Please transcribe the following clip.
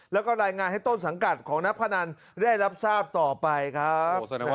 แล้วก็รายงานให้ต้นสังกัดของนักพนันได้รับทราบต่อไปครับ